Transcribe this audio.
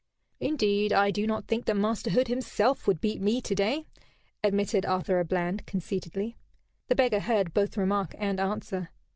"Indeed, I do not think that Master Hood himself would beat me to day," admitted Arthur à Bland, conceitedly. The beggar heard both remark and answer.